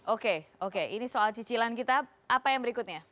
oke oke ini soal cicilan kita apa yang berikutnya